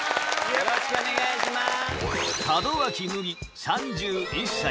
よろしくお願いします。